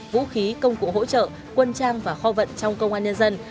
vũ khí công cụ hỗ trợ quân trang và kho vận trong công an nhân dân